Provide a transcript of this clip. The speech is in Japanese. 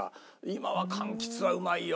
今は柑橘はうまいよ！